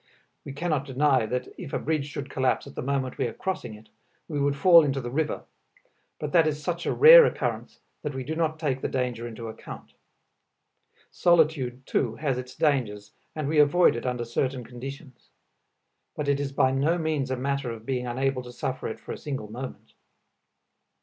We cannot deny that if a bridge should collapse at the moment we are crossing it, we would fall into the river, but that is such a rare occurrence that we do not take the danger into account. Solitude too has its dangers and we avoid it under certain conditions; but it is by no means a matter of being unable to suffer it for a single moment.